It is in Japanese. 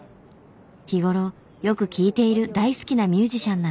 日頃よく聴いている大好きなミュージシャンなんだって。